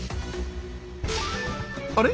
あれ？